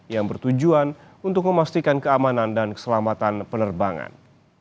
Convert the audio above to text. yang bertujuan untuk memastikan keamanan dan keselamatan penerbangan